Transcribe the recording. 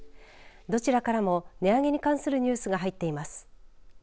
どちらからも値上げに関するニュースが入っています。